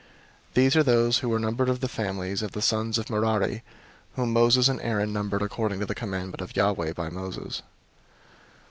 004:045 These are those who were numbered of the families of the sons of Merari, whom Moses and Aaron numbered according to the commandment of Yahweh by Moses.